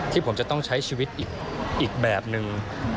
ที่ผมจะต้องใช้ชีวิตอีกแบบนึง